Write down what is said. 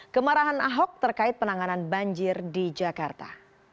kemarahan ahok terkait penanganan banjir di jakarta